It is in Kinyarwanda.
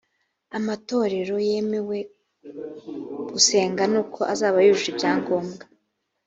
amatorero yemewe gusenga nuko azaba yujuje ibyangombwa